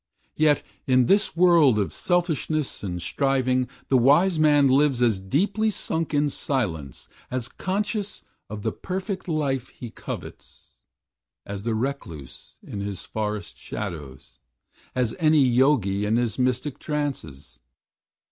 Yet in this world of selfishness and striving The wise man lives as deeply sunk in silence, As conscious of the Perfect Life he covets, As the recluse in his forest shadows, As any Yogi in his mystic trances.